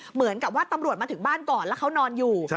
เหมือนกับว่าตำรวจมาถึงบ้านก่อนแล้วเขานอนอยู่